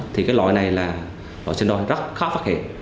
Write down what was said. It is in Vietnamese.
thì cái loại này là loại xinh đôi rất khó phát hiện